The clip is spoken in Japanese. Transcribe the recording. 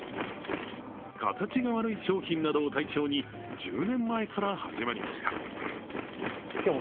形が悪い商品などを対象に１０年前から始まりました。